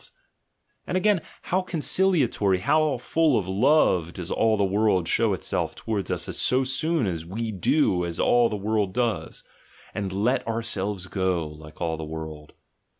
92 THE GENEALOGY OF MORALS And again how conciliatory, how full of love does all the world show itself towards us so soon as we do as all the world does, and 'iet ourselves go" like all the world.